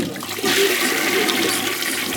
Iger-itt-id gar ifasen-is.